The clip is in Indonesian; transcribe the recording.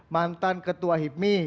mantan ketua hipmi